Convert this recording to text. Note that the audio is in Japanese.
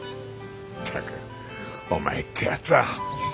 ったくお前ってやつは本当に。